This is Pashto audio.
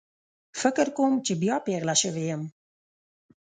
فکر کوم چې بیا پیغله شوې یم